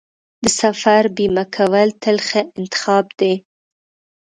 د سفر بیمه کول تل ښه انتخاب دی.